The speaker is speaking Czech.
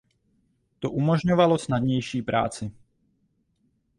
To umožňovalo snadnější práci.